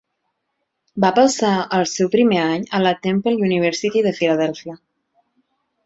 Va passar el seu primer any a la Temple University de Filadèlfia.